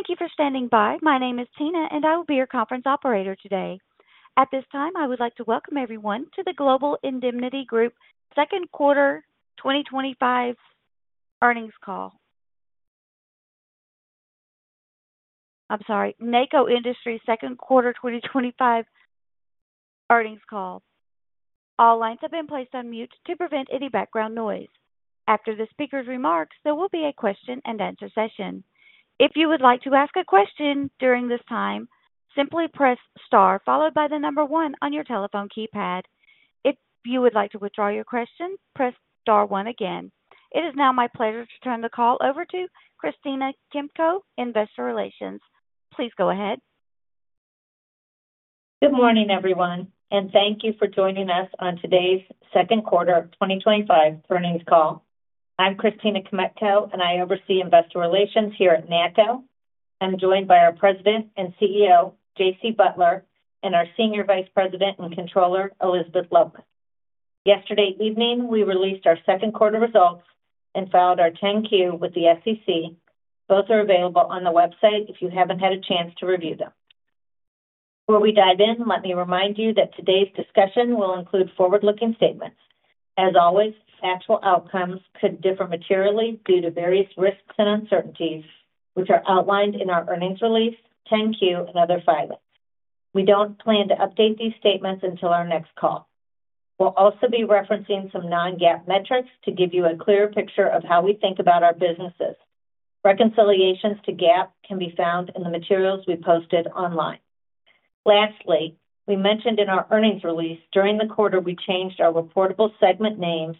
Thank you for standing by. My name is Tina, and I will be your conference operator today. At this time, I would like to welcome everyone to the NACCO Industries Second Quarter 2025 Earnings Call. All lines have been placed on mute to prevent any background noise. After the speaker's remarks, there will be a question and answer session. If you would like to ask a question during this time, simply press star followed by the number one on your telephone keypad. If you would like to withdraw your question, press star one again. It is now my pleasure to turn the call over to Christina Kmetko, Investor Relations. Please go ahead. Good morning, everyone, and thank you for joining us on today's second quarter of 2025 earnings call. I'm Christina Kmetko, and I oversee investor relations here at NACCO Industries. I'm joined by our President and CEO, J.C. Butler, and our Senior Vice President and Controller, Elizabeth Loveman. Yesterday evening, we released our second quarter results and filed our 10-Q with the SEC. Both are available on the website if you haven't had a chance to review them. Before we dive in, let me remind you that today's discussion will include forward-looking statements. As always, factual outcomes could differ materially due to various risks and uncertainties, which are outlined in our earnings release, 10-Q, and other filings. We don't plan to update these statements until our next call. We'll also be referencing some non-GAAP metrics to give you a clear picture of how we think about our businesses. Reconciliations to GAAP can be found in the materials we posted online. Lastly, as we mentioned in our earnings release, during the quarter, we changed our reportable segment names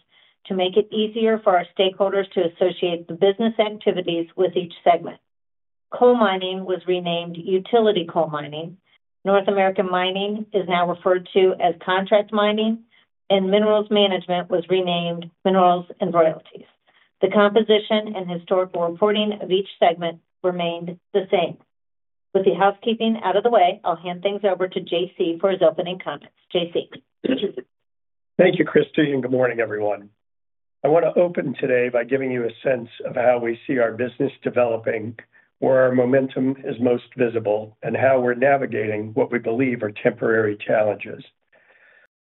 to make it easier for our stakeholders to associate the business activities with each segment. Coal mining was renamed Utility Coal Mining, North American Mining is now referred to as Contract Mining, and Minerals Management was renamed Minerals and Royalties. The composition and historical reporting of each segment remained the same. With the housekeeping out of the way, I'll hand things over to J.C. for his opening comments. J.C. Thank you, Christy, and good morning, everyone. I want to open today by giving you a sense of how we see our business developing, where our momentum is most visible, and how we're navigating what we believe are temporary challenges.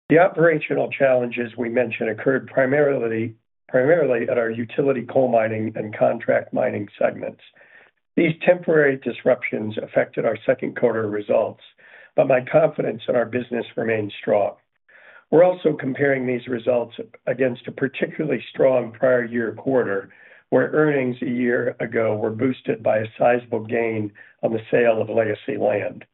The operational challenges we mentioned occurred primarily at our Utility Coal Mining and Contract Mining segments. These temporary disruptions affected our second quarter results, but my confidence in our business remains strong. We're also comparing these results against a particularly strong prior year quarter, where earnings a year ago were boosted by a sizable gain on the sale of legacy land.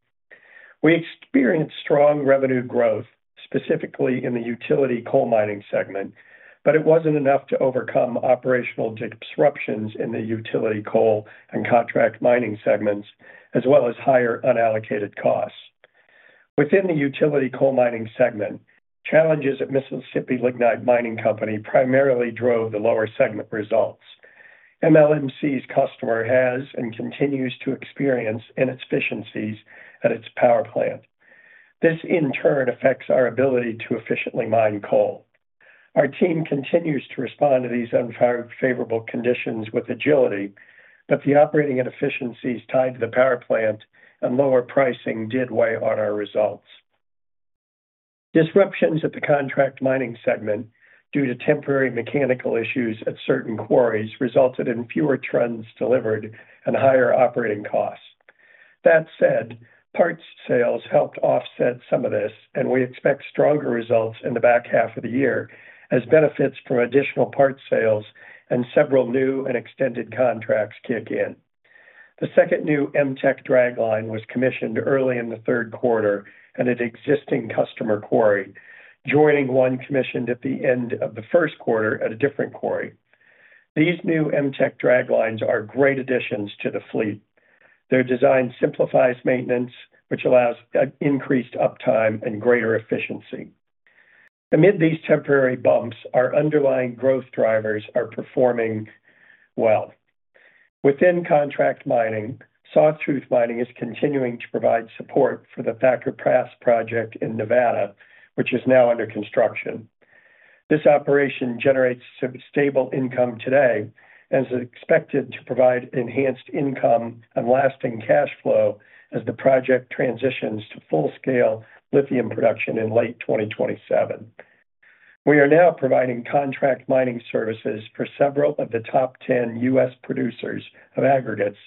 We experienced strong revenue growth, specifically in the Utility Coal Mining segment, but it wasn't enough to overcome operational disruptions in the Utility Coal and Contract Mining segments, as well as higher unallocated costs. Within the Utility Coal Mining segment, challenges at Mississippi Lignite Mining Company primarily drove the lower segment results. MLMC's customer has and continues to experience inefficiencies at its power plant. This, in turn, affects our ability to efficiently mine coal. Our team continues to respond to these unfavorable conditions with agility, but the operating inefficiencies tied to the power plant and lower pricing did weigh on our results. Disruptions at the Contract Mining segment, due to temporary mechanical issues at certain quarries, resulted in fewer turns delivered and higher operating costs. That said, parts sales helped offset some of this, and we expect stronger results in the back half of the year as benefits from additional parts sales and several new and extended contracts kick in. The second new Mteck dragline was commissioned early in the third quarter at an existing customer quarry, joining one commissioned at the end of the first quarter at a different quarry. These new Mteck draglines are great additions to the fleet. Their design simplifies maintenance, which allows increased uptime and greater efficiency. Amid these temporary bumps, our underlying growth drivers are performing well. Within Contract Mining, Sawtooth Mining is continuing to provide support for the Thacker Pass project in Nevada, which is now under construction. This operation generates stable income today and is expected to provide enhanced income and lasting cash flow as the project transitions to full-scale lithium production in late 2027. We are now providing contract mining services for several of the top 10 U.S. producers of aggregates,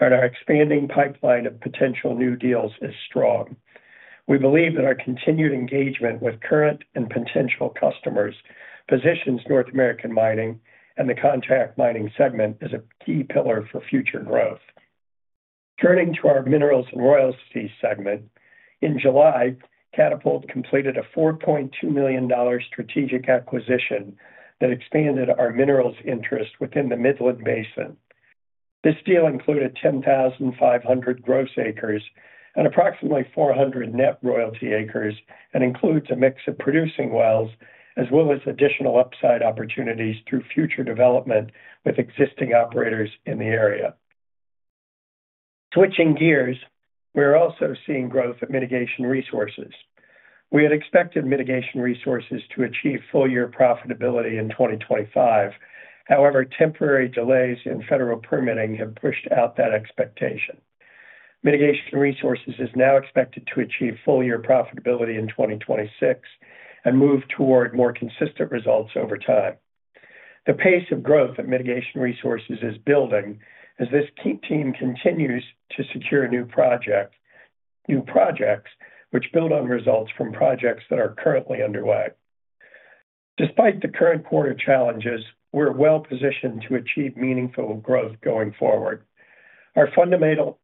and our expanding pipeline of potential new deals is strong. We believe that our continued engagement with current and potential customers positions North American Mining and the contract mining segment as a key pillar for future growth. Turning to our minerals and royalty segment, in July, Catapult Mineral Partners completed a $4.2 million strategic acquisition that expanded our minerals interest within the Midland Basin. This deal included 10,500 gross acres and approximately 400 net royalty acres and includes a mix of producing wells as well as additional upside opportunities through future development with existing operators in the area. Switching gears, we are also seeing growth in Mitigation Resources of North America. We had expected Mitigation Resources of North America to achieve full-year profitability in 2025. However, temporary delays in federal permitting have pushed out that expectation. Mitigation Resources of North America is now expected to achieve full-year profitability in 2026 and move toward more consistent results over time. The pace of growth in Mitigation Resources of North America is building as this team continues to secure new projects which build on results from projects that are currently underway. Despite the current quarter challenges, we're well positioned to achieve meaningful growth going forward. Our fundamental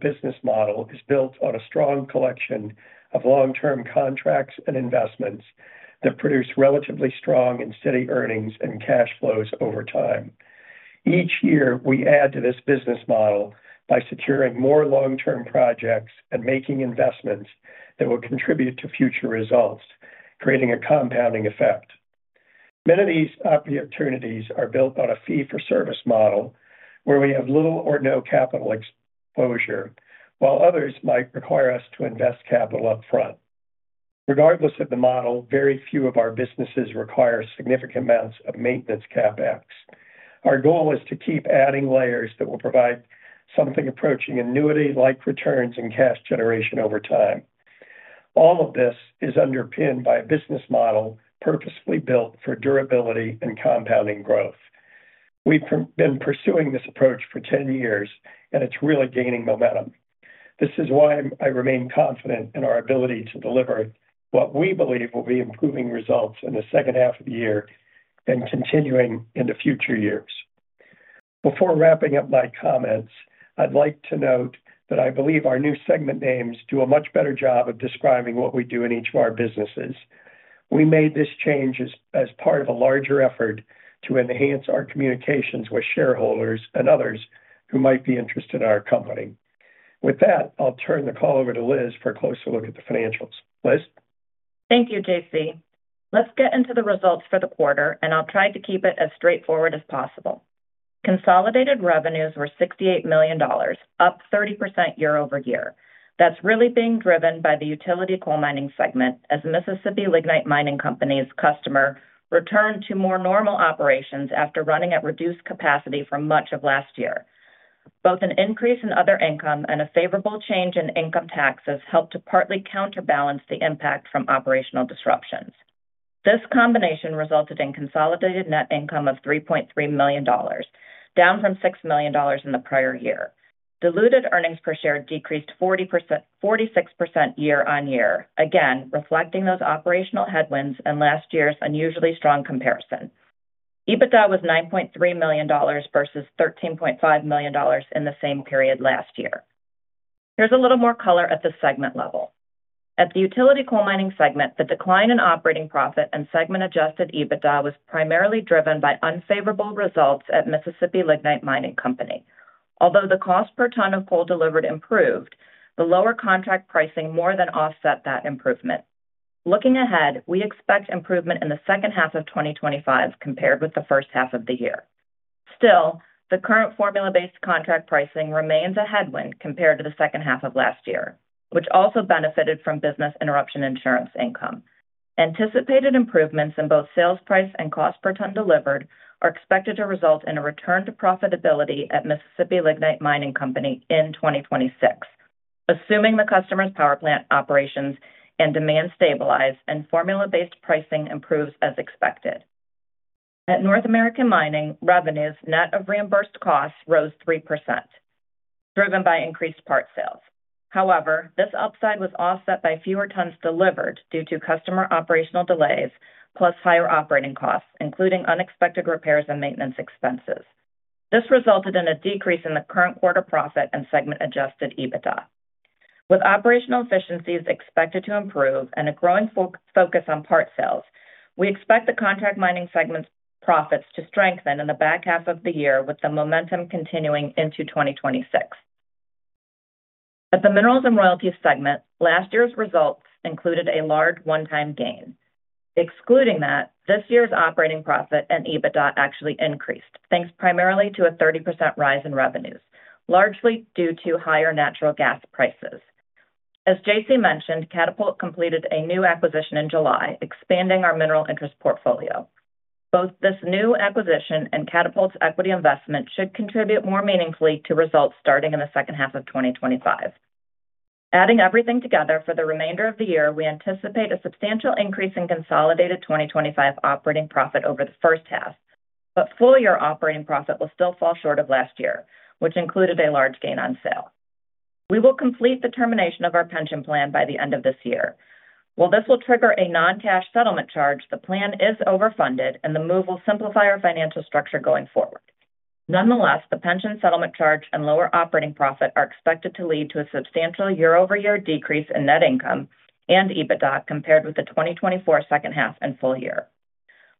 business model is built on a strong collection of long-term contracts and investments that produce relatively strong and steady earnings and cash flows over time. Each year, we add to this business model by securing more long-term projects and making investments that will contribute to future results, creating a compounding effect. Many of these opportunities are built on a fee-for-service model where we have little or no capital exposure, while others might require us to invest capital upfront. Regardless of the model, very few of our businesses require significant amounts of maintenance CapEx. Our goal is to keep adding layers that will provide something approaching annuity-like returns and cash generation over time. All of this is underpinned by a business model purposefully built for durability and compounding growth. We've been pursuing this approach for 10 years, and it's really gaining momentum. This is why I remain confident in our ability to deliver what we believe will be improving results in the second half of the year and continuing in the future years. Before wrapping up my comments, I'd like to note that I believe our new segment names do a much better job of describing what we do in each of our businesses. We made this change as part of a larger effort to enhance our communications with shareholders and others who might be interested in our company. With that, I'll turn the call over to Liz for a closer look at the financials. Liz? Thank you, J.C. Let's get into the results for the quarter, and I'll try to keep it as straightforward as possible. Consolidated revenues were $68 million, up 30% year-over-year. That's really being driven by the Utility Coal Mining segment, as Mississippi Lignite Mining Company's customer returned to more normal operations after running at reduced capacity for much of last year. Both an increase in other income and a favorable change in income taxes helped to partly counterbalance the impact from operational disruptions. This combination resulted in consolidated net income of $3.3 million, down from $6 million in the prior year. Diluted earnings per share decreased 46% year on year, again, reflecting those operational headwinds and last year's unusually strong comparison. EBITDA was $9.3 million versus $13.5 million in the same period last year. Here's a little more color at the segment level. At the Utility Coal Mining segment, the decline in operating profit and segment-adjusted EBITDA was primarily driven by unfavorable results at Mississippi Lignite Mining Company. Although the cost per ton of coal delivered improved, the lower contract pricing more than offset that improvement. Looking ahead, we expect improvement in the second half of 2025 compared with the first half of the year. Still, the current formula-based contract pricing remains a headwind compared to the second half of last year, which also benefited from business interruption insurance income. Anticipated improvements in both sales price and cost per ton delivered are expected to result in a return to profitability at Mississippi Lignite Mining Company in 2026, assuming the customer's power plant operations and demand stabilize and formula-based pricing improves as expected. At North American Mining, revenues net of reimbursed costs rose 3%, driven by increased part sales. However, this upside was offset by fewer tons delivered due to customer operational delays, plus higher operating costs, including unexpected repairs and maintenance expenses. This resulted in a decrease in the current quarter profit and segment-adjusted EBITDA. With operational efficiencies expected to improve and a growing focus on part sales, we expect the contract mining segment's profits to strengthen in the back half of the year, with the momentum continuing into 2026. At the Minerals and Royalties segment, last year's results included a large one-time gain. Excluding that, this year's operating profit and EBITDA actually increased, thanks primarily to a 30% rise in revenues, largely due to higher natural gas prices. As J.C. mentioned, Catapult Mineral Partners completed a new acquisition in July, expanding our mineral interest portfolio. Both this new acquisition and Catapult Mineral Partners' equity investment should contribute more meaningfully to results starting in the second half of 2025. Adding everything together, for the remainder of the year, we anticipate a substantial increase in consolidated 2025 operating profit over the first half, but full-year operating profit will still fall short of last year, which included a large gain on sale. We will complete the termination of our pension plan by the end of this year. While this will trigger a non-cash pension settlement charge, the plan is overfunded, and the move will simplify our financial structure going forward. Nonetheless, the pension settlement charge and lower operating profit are expected to lead to a substantial year-over-year decrease in net income and EBITDA compared with the 2024 second half and full year.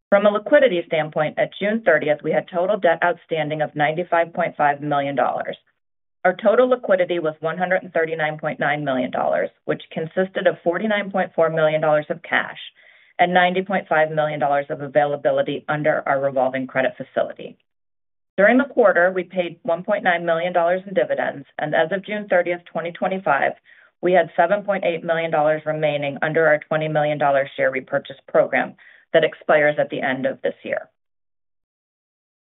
From a liquidity standpoint, at June 30, we had total debt outstanding of $95.5 million. Our total liquidity was $139.9 million, which consisted of $49.4 million of cash and $90.5 million of availability under our revolving credit facility. During the quarter, we paid $1.9 million in dividends, and as of June 30, 2025, we had $7.8 million remaining under our $20 million share repurchase program that expires at the end of this year.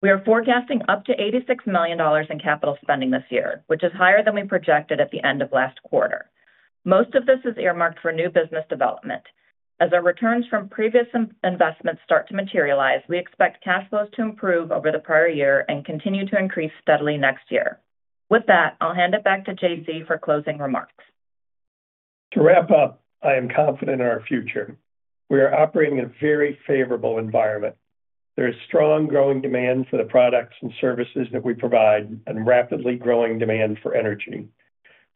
We are forecasting up to $86 million in capital spending this year, which is higher than we projected at the end of last quarter. Most of this is earmarked for new business development. As our returns from previous investments start to materialize, we expect cash flows to improve over the prior year and continue to increase steadily next year. With that, I'll hand it back to J.C. for closing remarks. To wrap up, I am confident in our future. We are operating in a very favorable environment. There is strong growing demand for the products and services that we provide and rapidly growing demand for energy.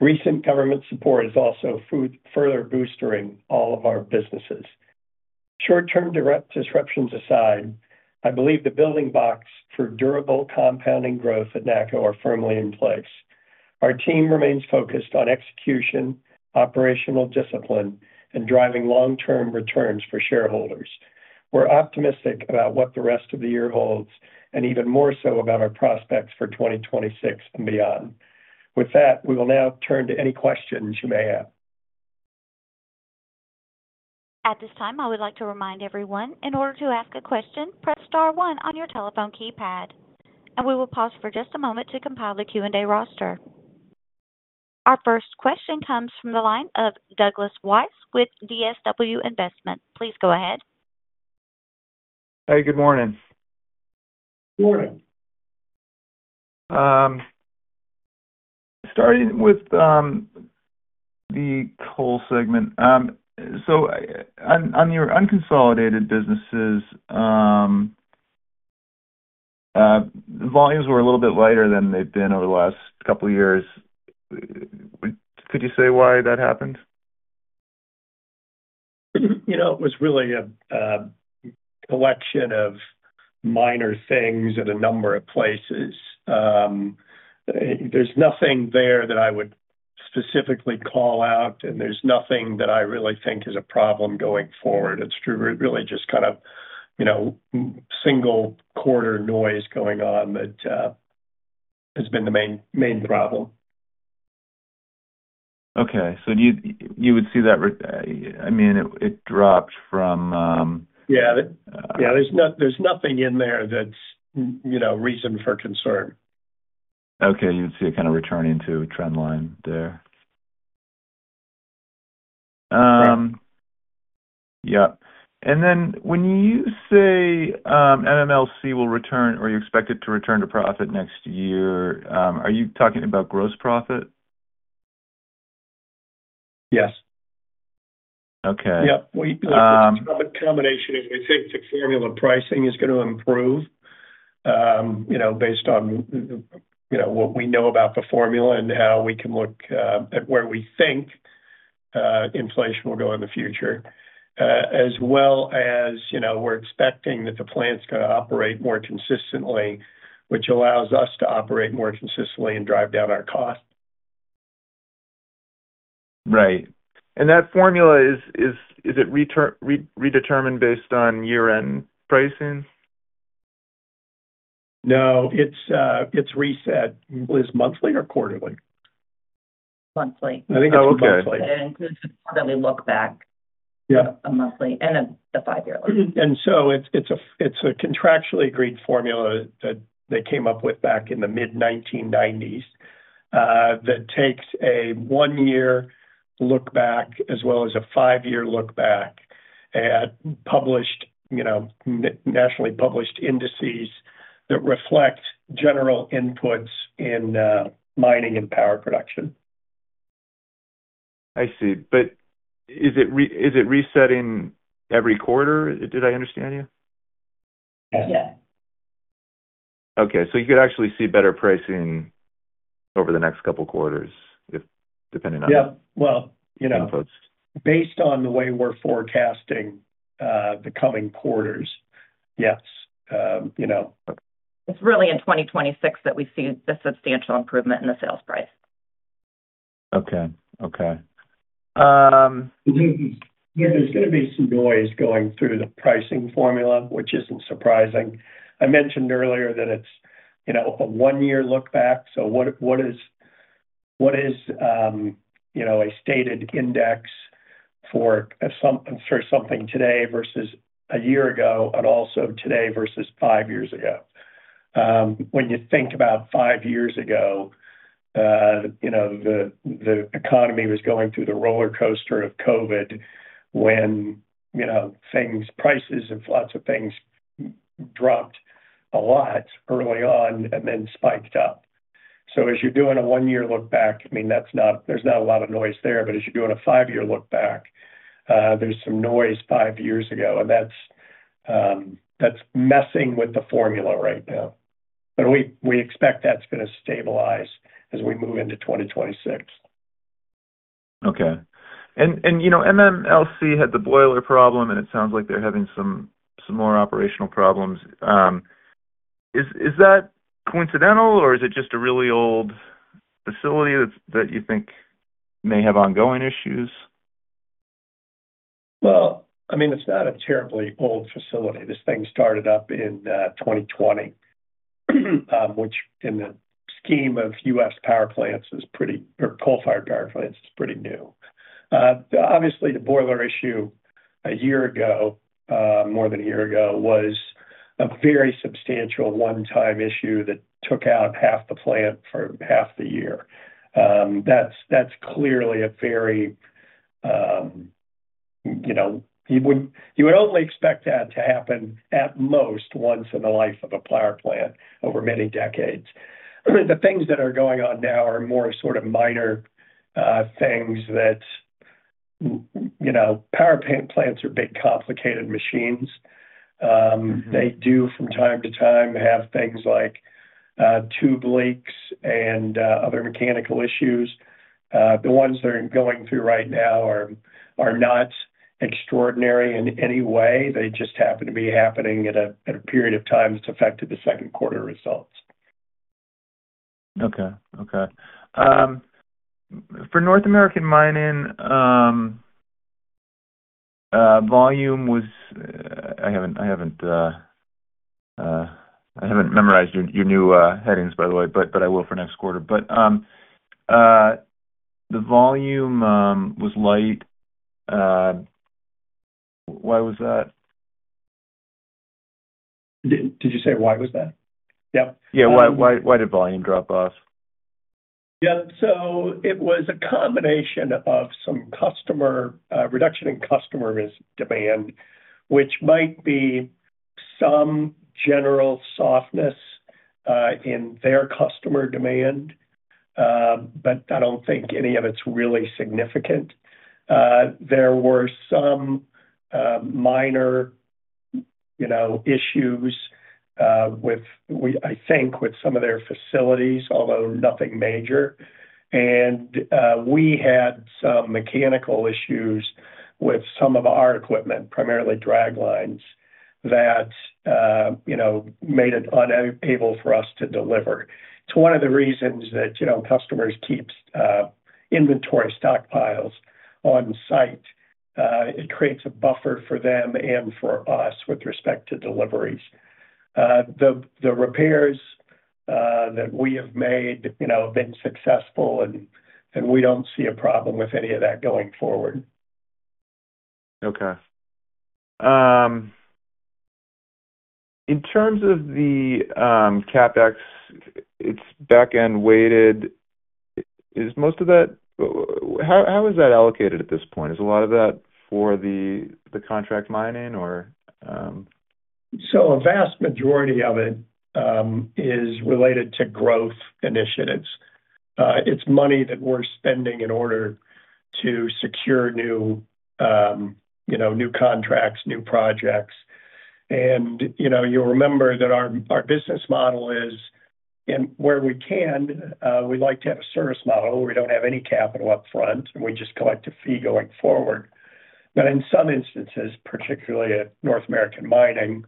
Recent government support is also further boosting all of our businesses. Short-term disruptions aside, I believe the building blocks for durable compounding growth at NACCO Industries are firmly in place. Our team remains focused on execution, operational discipline, and driving long-term returns for shareholders. We're optimistic about what the rest of the year holds and even more so about our prospects for 2026 and beyond. With that, we will now turn to any questions you may have. At this time, I would like to remind everyone, in order to ask a question, press star one on your telephone keypad. We will pause for just a moment to compile the Q&A roster. Our first question comes from the line of Douglas Weiss with DSW Investments. Please go ahead. Hey, good morning. Morning! Starting with the coal segment, on your unconsolidated businesses, the volumes were a little bit lighter than they've been over the last couple of years. Could you say why that happened? It was really a collection of minor things at a number of places. There's nothing there that I would specifically call out, and there's nothing that I really think is a problem going forward. It's really just kind of single quarter noise going on that has been the main problem. Okay, so you would see that. I mean, it dropped from. Yeah, there's nothing in there that's, you know, reason for concern. Okay, you would see it kind of returning to trend line there. Yeah. When you say MLMC will return, or you expect it to return to profit next year, are you talking about gross profit? Yes. Okay. Yeah, it's a combination. As I said, the formula pricing is going to improve based on what we know about the formula and how we can look at where we think inflation will go in the future, as well as we're expecting that the plant's going to operate more consistently, which allows us to operate more consistently and drive down our cost. Right. Is it redetermined based on year-end pricing? No, it's reset. Is it monthly or quarterly? Monthly. I think that would be monthly. It includes a quarterly look back. Yeah. A monthly and a five-year look. It's a contractually agreed formula that they came up with back in the mid-1990s that takes a one-year look back as well as a five-year look back at nationally published indices that reflect general inputs in mining and power production. I see, is it resetting every quarter? Did I understand you? Yeah. Okay, you could actually see better pricing over the next couple of quarters depending on. Based on the way we're forecasting the coming quarters, yes. It's really in 2026 that we see the substantial improvement in the sales price. Okay, okay. There's going to be some noise going through the pricing formula, which isn't surprising. I mentioned earlier that it's, you know, a one-year look back. What is, you know, a stated index for a certain something today versus a year ago and also today versus five years ago? When you think about five years ago, the economy was going through the roller coaster of COVID when, you know, prices of lots of things dropped a lot early on and then spiked up. As you're doing a one-year look back, there's not a lot of noise there, but as you're doing a five-year look back, there's some noise five years ago, and that's messing with the formula right now. We expect that's going to stabilize as we move into 2026. Okay, and you know, MLMC had the boiler problem, and it sounds like they're having some more operational problems. Is that coincidental, or is it just a really old facility that you think may have ongoing issues? It is not a terribly old facility. This thing started up in 2020, which in the scheme of U.S. power plants, coal-fired power plants is pretty new. Obviously, the boiler issue a year ago, more than a year ago, was a very substantial one-time issue that took out half the plant for half the year. That is clearly a very, you know, you would only expect that to happen at most once in the life of a power plant over many decades. The things that are going on now are more sort of minor things that, you know, power plants are big complicated machines. They do from time to time have things like tube leaks and other mechanical issues. The ones they're going through right now are not extraordinary in any way. They just happen to be happening at a period of time that's affected the second quarter results. Okay. For North American Mining, volume was, I haven't memorized your new headings, by the way, but I will for next quarter. The volume was light. Why was that? Did you say why was that? Yeah, why did volume drop off? Yeah, it was a combination of some customer reduction in customer demand, which might be some general softness in their customer demand, but I don't think any of it's really significant. There were some minor issues with, I think, with some of their facilities, although nothing major. We had some mechanical issues with some of our equipment, primarily draglines, that made it unable for us to deliver. It's one of the reasons that customers keep inventory stockpiles on site. It creates a buffer for them and for us with respect to deliveries. The repairs that we have made have been successful, and we don't see a problem with any of that going forward. Okay. In terms of the CapEx, it's back-end weighted. Is most of that, how is that allocated at this point? Is a lot of that for the contract mining or? A vast majority of it is related to growth initiatives. It's money that we're spending in order to secure new contracts, new projects. You'll remember that our business model is, and where we can, we'd like to have a service model where we don't have any capital upfront, and we just collect a fee going forward. In some instances, particularly at North American Mining,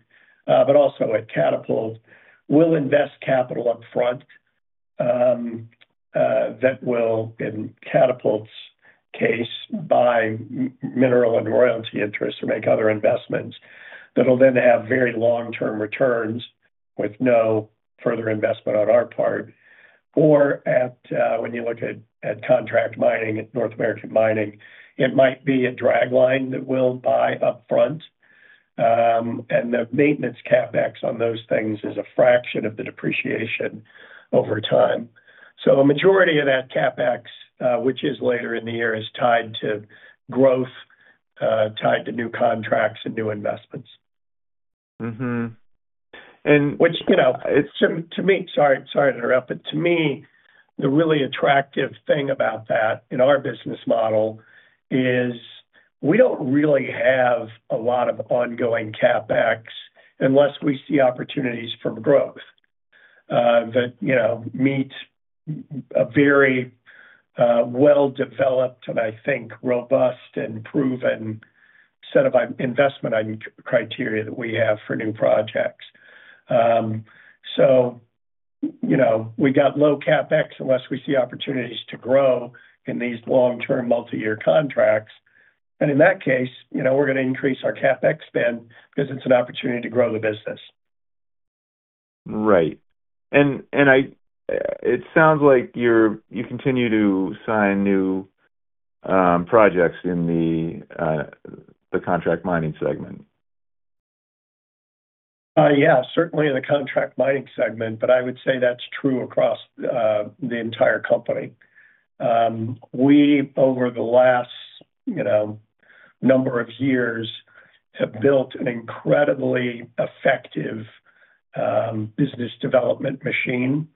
but also at Catapult Mineral Partners, we'll invest capital upfront that will, in Catapult's case, buy mineral and royalty interests or make other investments that will then have very long-term returns with no further investment on our part. When you look at contract mining at North American Mining, it might be a dragline that we'll buy upfront, and the maintenance CapEx on those things is a fraction of the depreciation over time. A majority of that CapEx, which is later in the year, is tied to growth, tied to new contracts and new investments. Mm-hmm. To me, the really attractive thing about that in our business model is we don't really have a lot of ongoing CapEx unless we see opportunities for growth that meet a very well-developed and, I think, robust and proven set of investment criteria that we have for new projects. We have low CapEx unless we see opportunities to grow in these long-term multi-year contracts. In that case, we're going to increase our CapEx spend because it's an opportunity to grow the business. Right. It sounds like you continue to sign new projects in the contract mining segment. Yeah, certainly in the contract mining segment, but I would say that's true across the entire company. We, over the last number of years, have built an incredibly effective business development machine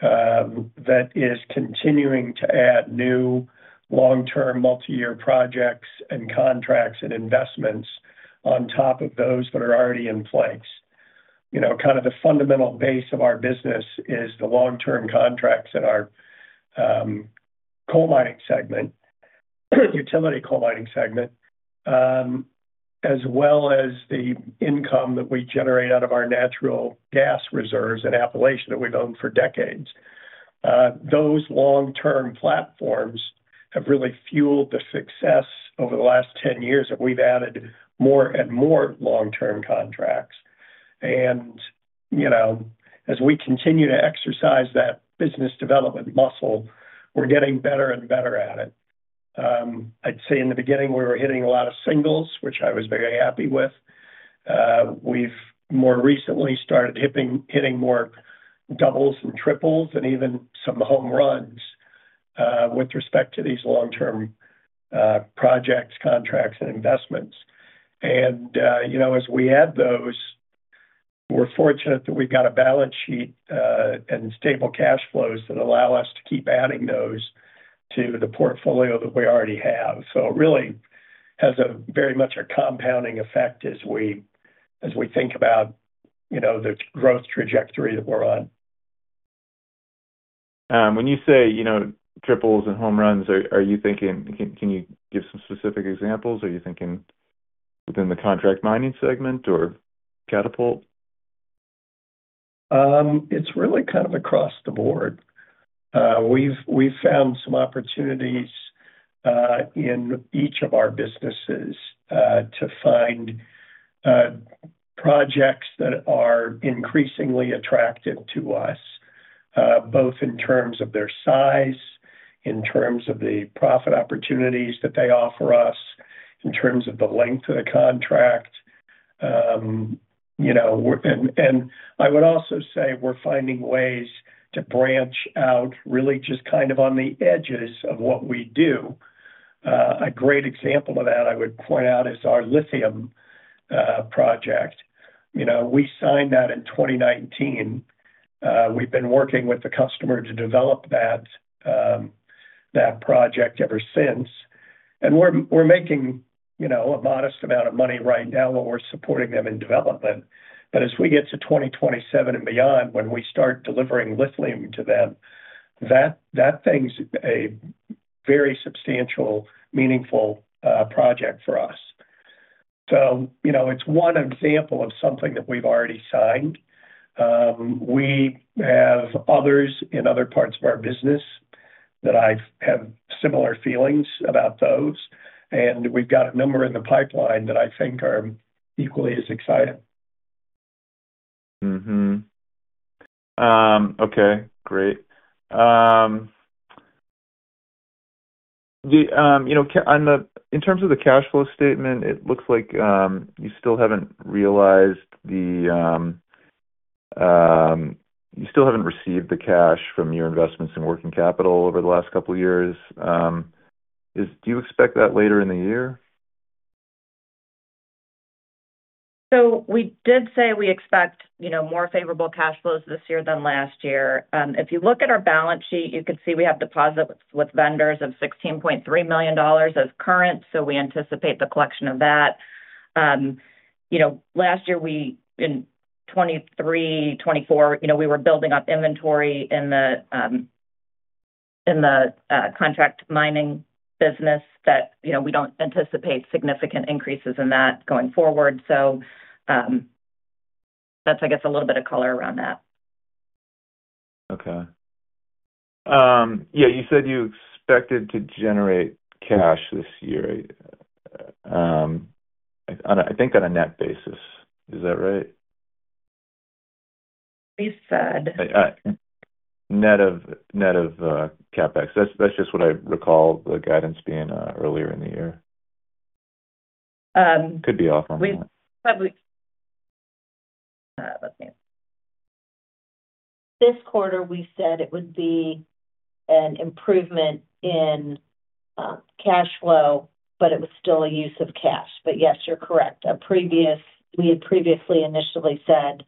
that is continuing to add new long-term multi-year projects and contracts and investments on top of those that are already in place. The fundamental base of our business is the long-term contracts in our Utility Coal Mining segment, as well as the income that we generate out of our natural gas reserves in Appalachia that we've owned for decades. Those long-term platforms have really fueled the success over the last 10 years that we've added more and more long-term contracts. As we continue to exercise that business development muscle, we're getting better and better at it. I'd say in the beginning, we were hitting a lot of singles, which I was very happy with. We've more recently started hitting more doubles and triples and even some home runs with respect to these long-term projects, contracts, and investments. As we add those, we're fortunate that we've got a balance sheet and stable cash flows that allow us to keep adding those to the portfolio that we already have. It really has a very much a compounding effect as we think about the growth trajectory that we're on. When you say, you know, triples and home runs, are you thinking, can you give some specific examples? Are you thinking within the contract mining segment or Catapult Mineral Partners? It's really kind of across the board. We've found some opportunities in each of our businesses to find projects that are increasingly attractive to us, both in terms of their size, in terms of the profit opportunities that they offer us, in terms of the length of the contract. I would also say we're finding ways to branch out really just kind of on the edges of what we do. A great example of that I would point out is our lithium project. We signed that in 2019. We've been working with the customer to develop that project ever since. We're making a modest amount of money right now while we're supporting them in development. As we get to 2027 and beyond, when we start delivering lithium to them, that thing's a very substantial, meaningful project for us. It's one example of something that we've already signed. We have others in other parts of our business that I have similar feelings about. We've got a number in the pipeline that I think are equally as exciting. Okay, great. In terms of the cash flow statement, it looks like you still haven't realized the, you still haven't received the cash from your investments in working capital over the last couple of years. Do you expect that later in the year? We did say we expect, you know, more favorable cash flows this year than last year. If you look at our balance sheet, you can see we have deposits with vendors of $16.3 million as current. We anticipate the collection of that. Last year, in 2023 and 2024, we were building up inventory in the contract mining business that, you know, we don't anticipate significant increases in that going forward. That's, I guess, a little bit of color around that. Okay. Yeah, you said you expected to generate cash this year. I think on a net basis. Is that right? We said. Net of CapEx. That's just what I recall the guidance being earlier in the year. Could be off on that. This quarter, we said it would be an improvement in cash flow, but it was still a use of cash. Yes, you're correct. Previously, we had initially said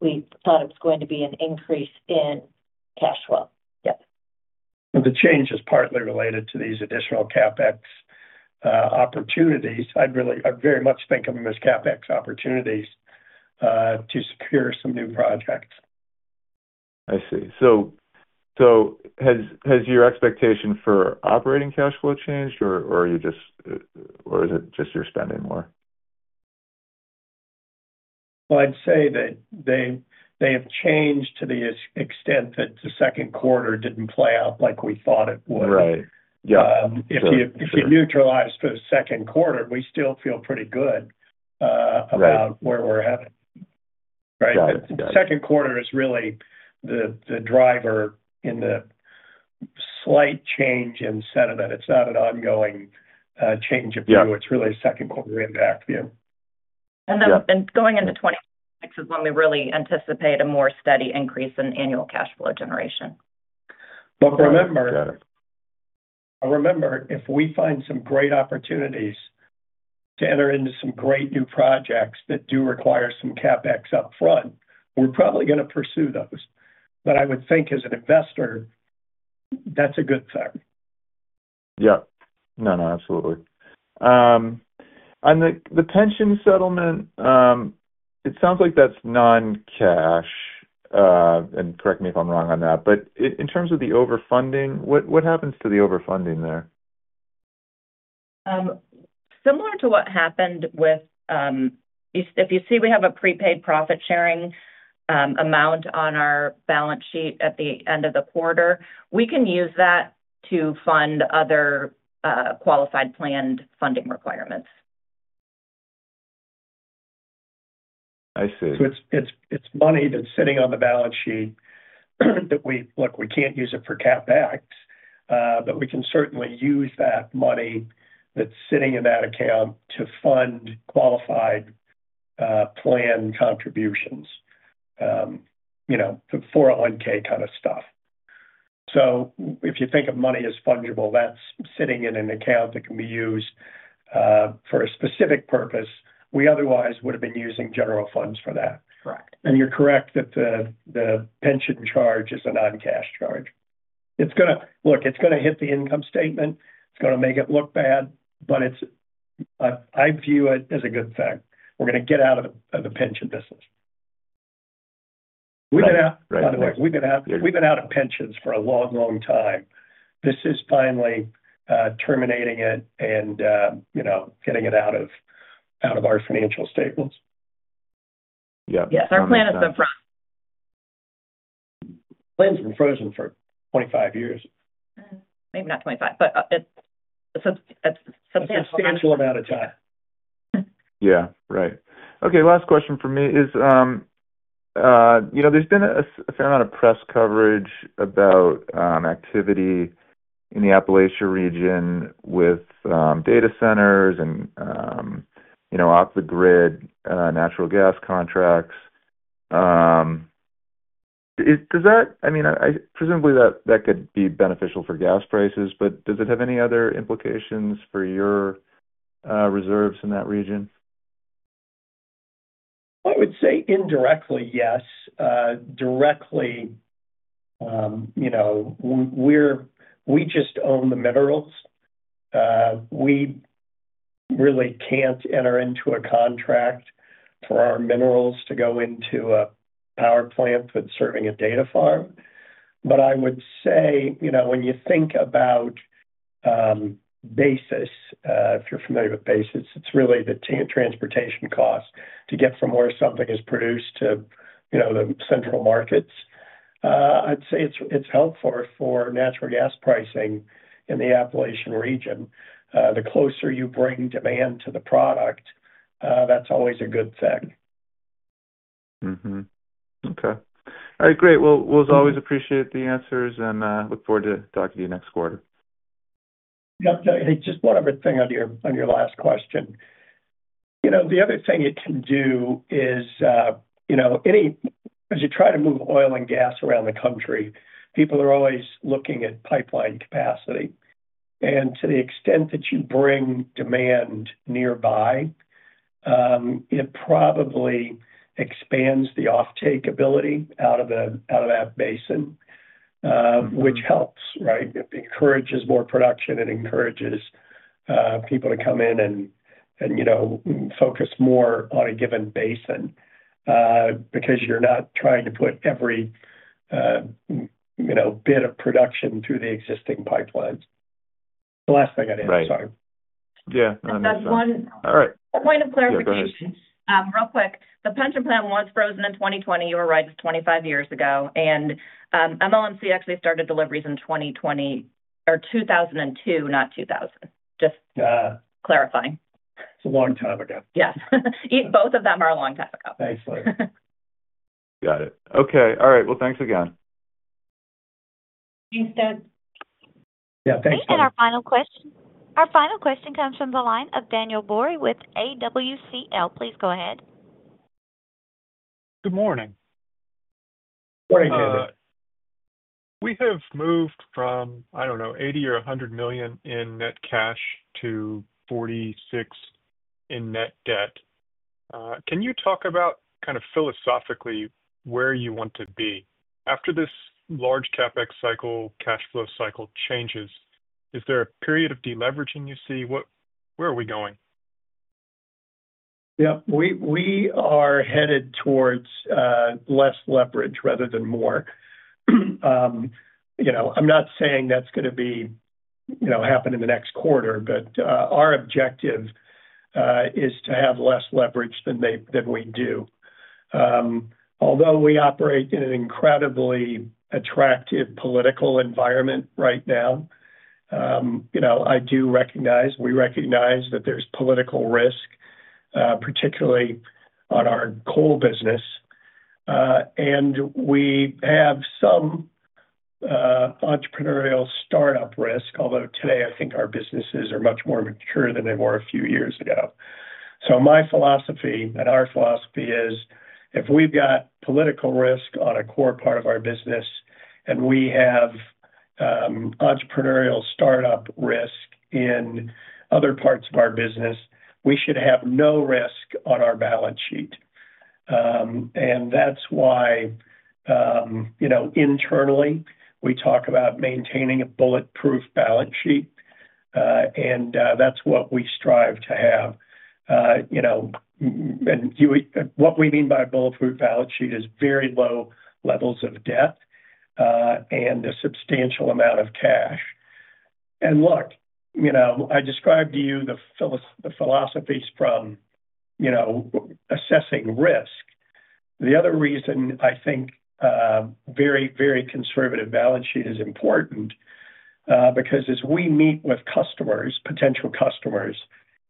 we thought it was going to be an increase in cash flow. The change is partly related to these additional CapEx opportunities. I very much think of them as CapEx opportunities to secure some new projects. I see. Has your expectation for operating cash flow changed, or is it just you're spending more? I'd say that they have changed to the extent that the second quarter didn't play out like we thought it would. Right. Yeah. If you neutralize for the second quarter, we still feel pretty good about where we're headed. Right. The second quarter is really the driver in the slight change in sentiment. It's not an ongoing change of view. It's really a second quarter impact. Going into 2026 is when we really anticipate a more steady increase in annual cash flow generation. If we find some great opportunities to enter into some great new projects that do require some CapEx upfront, we're probably going to pursue those. I would think as an investor, that's a good thing. On the pension settlement, it sounds like that's non-cash. Correct me if I'm wrong on that. In terms of the overfunding, what happens to the overfunding there? Similar to what happened with, if you see we have a prepaid profit sharing amount on our balance sheet at the end of the quarter, we can use that to fund other qualified plan funding requirements. I see. It's money that's sitting on the balance sheet that we, look, we can't use it for CapEx, but we can certainly use that money that's sitting in that account to fund qualified plan contributions, you know, 401(k) kind of stuff. If you think of money as fungible, that's sitting in an account that can be used for a specific purpose. We otherwise would have been using general funds for that. Correct. You are correct that the pension charge is a non-cash charge. It is going to hit the income statement and it is going to make it look bad, but I view it as a good thing. We are going to get out of the pension business. Right. We've been out of pensions for a long, long time. This is finally terminating it and, you know, getting it out of our financial statements. Yeah. Yes, our plan has been frozen for 25 years. Maybe not 25, but it's a substantial amount of time. Right. Okay, last question for me is, you know, there's been a fair amount of press coverage about activity in the Appalachia region with data centers and, you know, off-the-grid natural gas contracts. Does that, I mean, presumably that could be beneficial for gas prices, but does it have any other implications for your reserves in that region? I would say indirectly, yes. Directly, you know, we just own the minerals. We really can't enter into a contract for our minerals to go into a power plant that's serving a data farm. I would say, you know, when you think about basis, if you're familiar with basis, it's really the transportation cost to get from where something is produced to the central markets. I'd say it's helpful for natural gas pricing in the Appalachian region. The closer you bring demand to the product, that's always a good thing. All right, great. We always appreciate the answers and look forward to talking to you next quarter. Just one other thing on your last question. The other thing it can do is, any, as you try to move oil and gas around the country, people are always looking at pipeline capacity. To the extent that you bring demand nearby, it probably expands the off-take ability out of that basin, which helps, right? It encourages more production and encourages people to come in and focus more on a given basin because you're not trying to put every bit of production through the existing pipelines. The last thing I did, sorry. Yeah, that's one. All right. A point of clarification. Yeah, go ahead. Real quick, the pension plan was frozen in 2020. You were right, it's 25 years ago. MLMC actually started deliveries in 2002, not 2000. Just clarifying. It's a long time ago. Yes, both of them are a long time ago. Excellent. Got it. Okay. All right. Thanks again. Yeah, thanks. We had our final question. Our final question comes from the line of Daniel Bore with AWCL. Please go ahead. Good morning. Morning, Daniel. We have moved from, I don't know, $80 million or $100 million in net cash to $46 million in net debt. Can you talk about kind of philosophically where you want to be after this large CapEx cycle, cash flow cycle changes? Is there a period of deleveraging you see? Where are we going? Yeah, we are headed towards less leverage rather than more. I'm not saying that's going to happen in the next quarter, but our objective is to have less leverage than we do. Although we operate in an incredibly attractive political environment right now, I do recognize, we recognize that there's political risk, particularly on our coal business. We have some entrepreneurial startup risk, although today I think our businesses are much more mature than they were a few years ago. My philosophy and our philosophy is if we've got political risk on a core part of our business and we have entrepreneurial startup risk in other parts of our business, we should have no risk on our balance sheet. That's why, internally, we talk about maintaining a bulletproof balance sheet. That's what we strive to have. What we mean by a bulletproof balance sheet is very low levels of debt and a substantial amount of cash. I described to you the philosophies from assessing risk. The other reason I think a very, very conservative balance sheet is important is because as we meet with customers, potential customers,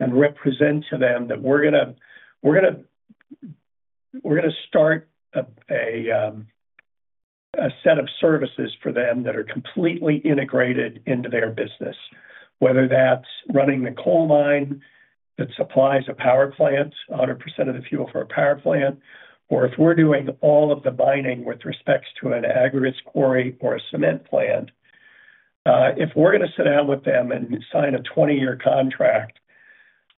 and represent to them that we're going to start a set of services for them that are completely integrated into their business, whether that's running the coal mine that supplies the power plants, 100% of the fuel for a power plant, or if we're doing all of the mining with respect to an aggregates quarry or a cement plant. If we're going to sit down with them and sign a 20-year contract,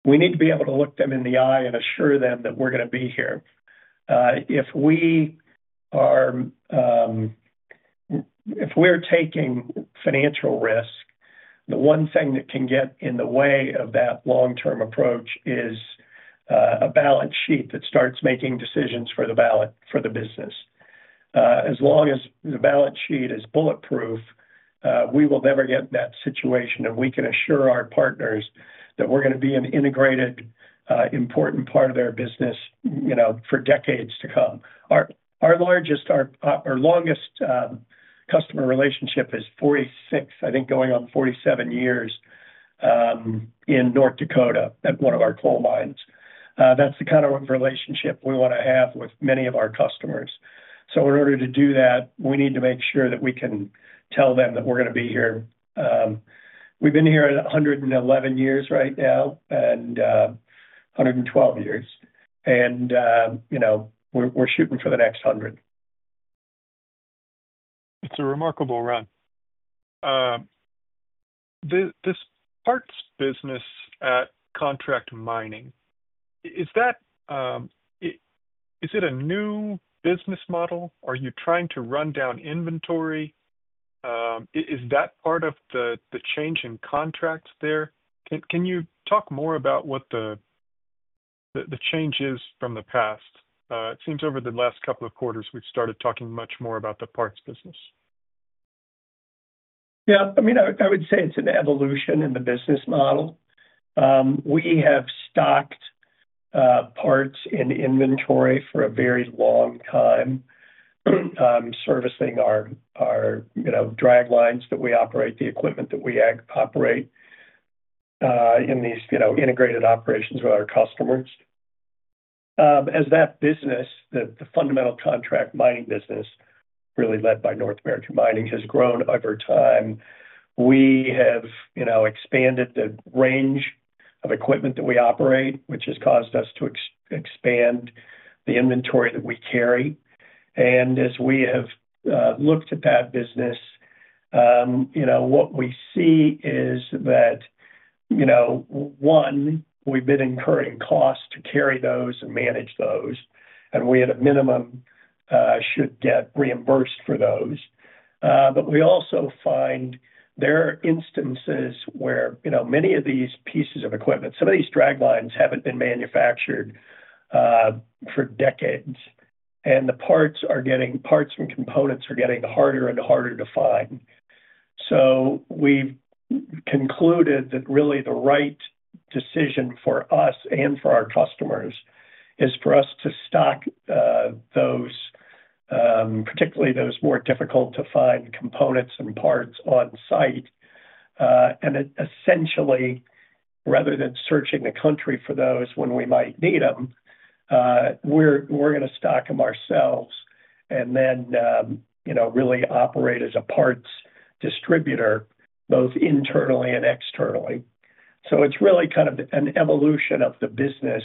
we need to be able to look them in the eye and assure them that we're going to be here. If we are taking financial risk, the one thing that can get in the way of that long-term approach is a balance sheet that starts making decisions for the business. As long as the balance sheet is bulletproof, we will never get in that situation, and we can assure our partners that we're going to be an integrated, important part of their business for decades to come. Our largest, our longest customer relationship is 46, I think, going on 47 years in North Dakota at one of our coal mines. That's the kind of relationship we want to have with many of our customers. In order to do that, we need to make sure that we can tell them that we're going to be here. We've been here 111 years right now, and 112 years, and we're shooting for the next 100. It's a remarkable run. This parts business at Contract Mining, is that, is it a new business model? Are you trying to run down inventory? Is that part of the change in contracts there? Can you talk more about what the change is from the past? It seems over the last couple of quarters we've started talking much more about the parts business. Yeah, I mean, I would say it's an evolution in the business model. We have stocked parts in inventory for a very long time, servicing our drag lines that we operate, the equipment that we operate in these integrated operations with our customers. As that business, the fundamental contract mining business, really led by North American Mining, has grown over time, we have expanded the range of equipment that we operate, which has caused us to expand the inventory that we carry. As we have looked at that business, what we see is that, one, we've been incurring costs to carry those and manage those, and we at a minimum should get reimbursed for those. We also find there are instances where many of these pieces of equipment, some of these drag lines haven't been manufactured for decades, and the parts and components are getting harder and harder to find. We have concluded that really the right decision for us and for our customers is for us to stock those, particularly those more difficult to find components and parts on site. Essentially, rather than searching the country for those when we might need them, we're going to stock them ourselves and then really operate as a parts distributor, both internally and externally. It's really kind of an evolution of the business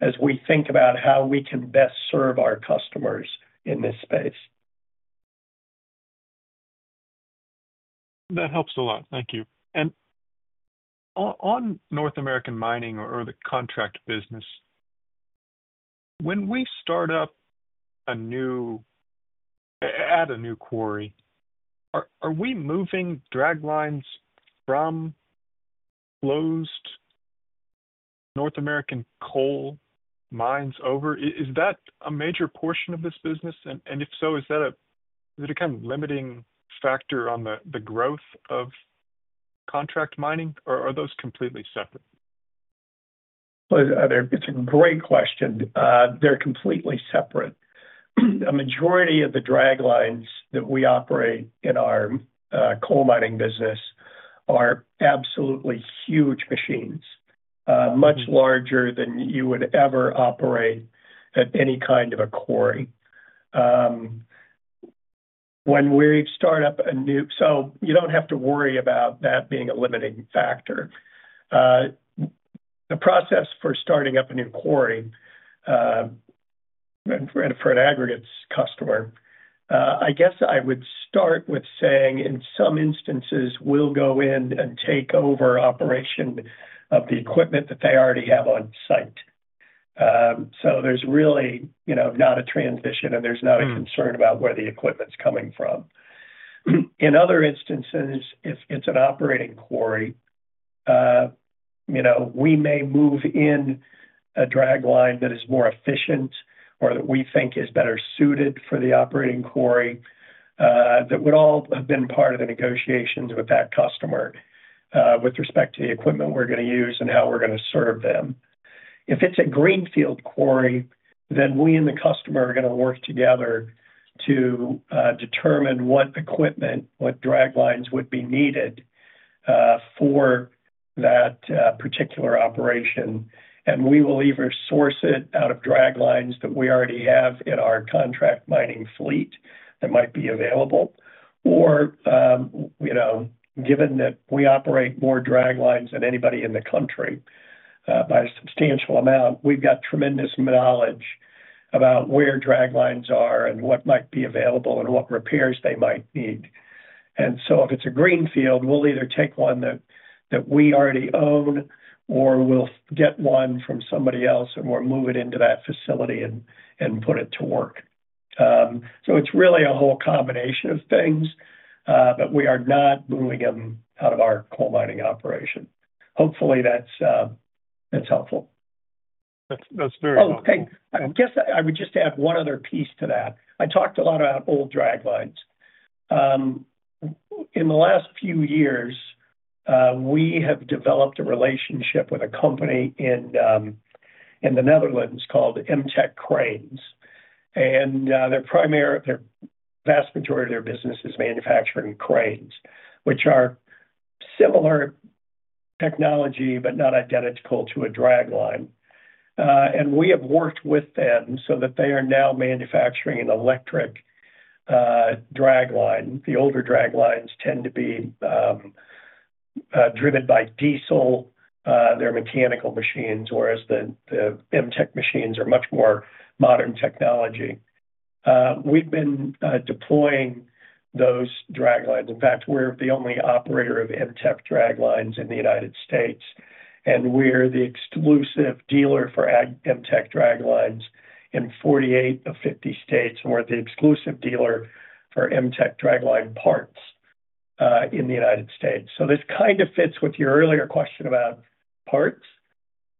as we think about how we can best serve our customers in this space. That helps a lot. Thank you. On North American Mining or the contract business, when we start up a new, add a new quarry, are we moving draglines from closed North American Coal mines over? Is that a major portion of this business? If so, is it a kind of limiting factor on the growth of contract mining, or are those completely separate? It's a great question. They're completely separate. A majority of the draglines that we operate in our coal mining business are absolutely huge machines, much larger than you would ever operate at any kind of a quarry. When we start up a new, you don't have to worry about that being a limiting factor. The process for starting up a new quarry for an aggregates customer, I guess I would start with saying in some instances we'll go in and take over operation of the equipment that they already have on site. There's really not a transition and there's not a concern about where the equipment's coming from. In other instances, if it's an operating quarry, we may move in a dragline that is more efficient or that we think is better suited for the operating quarry. That would all have been part of the negotiations with that customer with respect to the equipment we're going to use and how we're going to serve them. If it's a greenfield quarry, then we and the customer are going to work together to determine what equipment, what draglines would be needed for that particular operation. We will either source it out of draglines that we already have in our contract mining fleet that might be available, or, given that we operate more draglines than anybody in the country by a substantial amount, we've got tremendous knowledge about where draglines are and what might be available and what repairs they might need. If it's a greenfield, we'll either take one that we already own or we'll get one from somebody else and we'll move it into that facility and put it to work. It's really a whole combination of things, but we are not moving them out of our coal mining operation. Hopefully, that's helpful. That's very helpful. Oh, thank you. I guess I would just add one other piece to that. I talked a lot about old drag lines. In the last few years, we have developed a relationship with a company in the Netherlands called Mteck Cranes. The vast majority of their business is manufacturing cranes, which are similar technology but not identical to a drag line. We have worked with them so that they are now manufacturing an electric drag line. The older drag lines tend to be driven by diesel. They're mechanical machines, whereas the Mteck machines are much more modern technology. We've been deploying those drag lines. In fact, we're the only operator of Mteck drag lines in the United States. We're the exclusive dealer for Mteck drag lines in 48 of 50 states, and we're the exclusive dealer for Mteck drag line parts in the United States. This kind of fits with your earlier question about parts.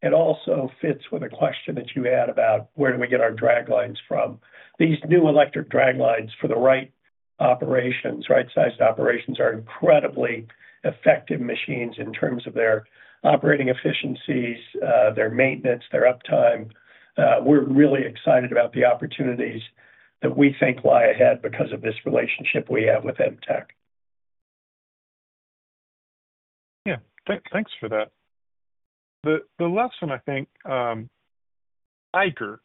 It also fits with a question that you had about where do we get our drag lines from. These new electric drag lines for the right operations, right-sized operations, are incredibly effective machines in terms of their operating efficiencies, their maintenance, their uptime. We're really excited about the opportunities that we think lie ahead because of this relationship we have with Mteck. Yeah, thanks for that. The last one, I think, Eiger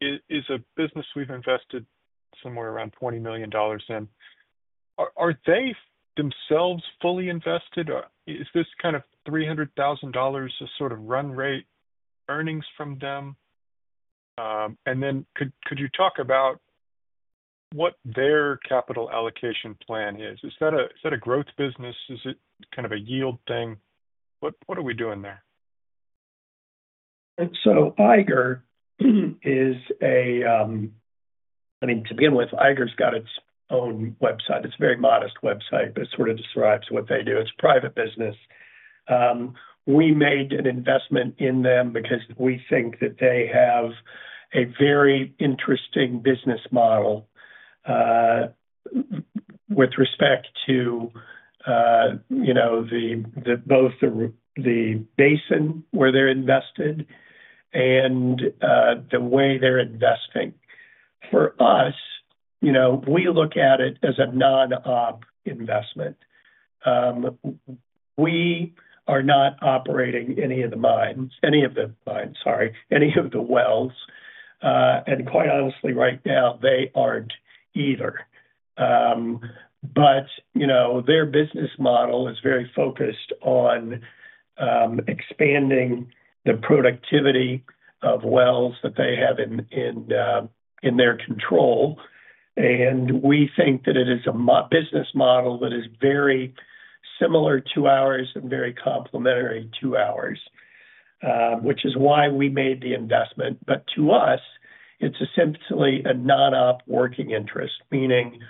is a business we've invested somewhere around $20 million in. Are they themselves fully invested? Is this kind of $300,000, a sort of run rate earnings from them? Could you talk about what their capital allocation plan is? Is that a growth business? Is it kind of a yield thing? What are we doing there? Eiger has its own website. It's a very modest website that describes what they do. It's a private business. We made an investment in them because we think that they have a very interesting business model with respect to both the basin where they're invested and the way they're investing. For us, we look at it as a non-op investment. We are not operating any of the wells. Quite honestly, right now, they aren't either. Their business model is very focused on expanding the productivity of wells that they have in their control. We think that it is a business model that is very similar to ours and very complementary to ours, which is why we made the investment. To us, it's essentially a non-op working interest, meaning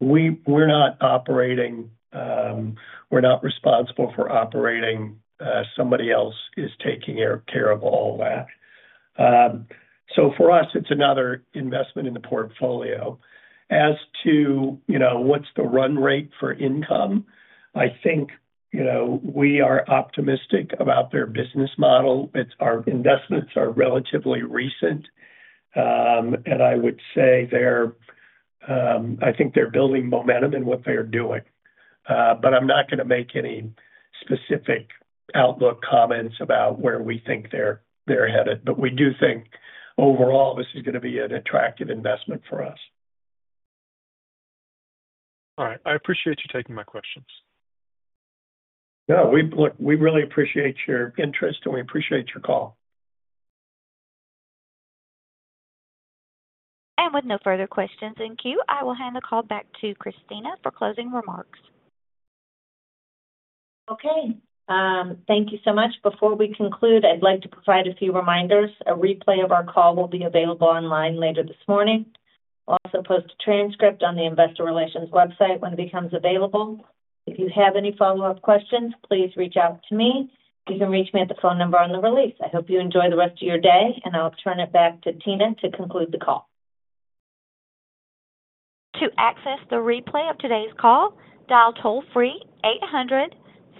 we're not operating, we're not responsible for operating. Somebody else is taking care of all of that. For us, it's another investment in the portfolio. As to what's the run rate for income, we are optimistic about their business model. Our investments are relatively recent. I think they're building momentum in what they're doing. I'm not going to make any specific outlook comments about where we think they're headed. We do think overall this is going to be an attractive investment for us. All right, I appreciate you taking my questions. No, we really appreciate your interest and we appreciate your call. With no further questions in queue, I will hand the call back to Christina Kmetko for closing remarks. Okay. Thank you so much. Before we conclude, I'd like to provide a few reminders. A replay of our call will be available online later this morning. I'll also post a transcript on the Investor Relations website when it becomes available. If you have any follow-up questions, please reach out to me. You can reach me at the phone number on the release. I hope you enjoy the rest of your day, and I'll turn it back to Tina to conclude the call. To access the replay of today's call, dial toll-free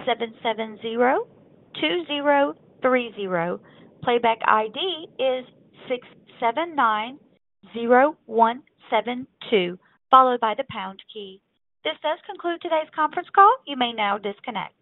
800-770-2030. Playback ID is 679-0172, followed by the pound key. This does conclude today's conference call. You may now disconnect.